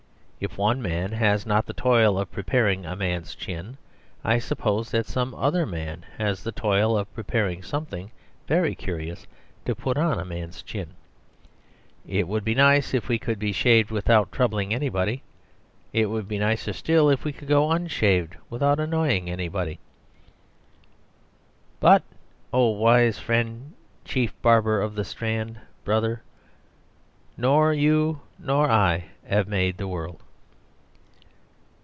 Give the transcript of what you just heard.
If one man has not the toil of preparing a man's chin, I suppose that some other man has the toil of preparing something very curious to put on a man's chin. It would be nice if we could be shaved without troubling anybody. It would be nicer still if we could go unshaved without annoying anybody "'But, O wise friend, chief Barber of the Strand, Brother, nor you nor I have made the world.